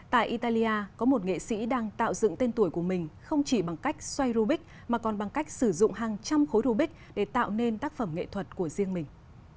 tại italia có một nghệ sĩ đang tạo dựng tên tuổi của mình không chỉ bằng cách xoay rubik mà còn bằng cách sử dụng hàng trăm khối rubik để tạo nên tác phẩm nghệ thuật của riêng mình